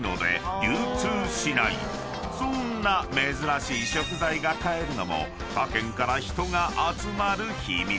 ［そんな珍しい食材が買えるのも他県から人が集まる秘密］